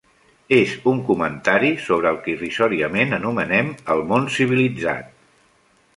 És un comentari sobre el que irrisòriament anomenen el món civilitzat.